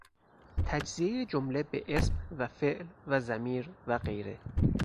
تجزیهی جمله به اسم و فعل و ضمیر و غیره